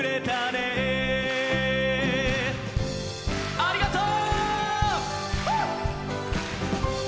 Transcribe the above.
ありがとう！